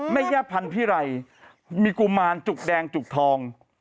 แม่ย่าพันธิไรมีกุมารจุกแดงจุกทอง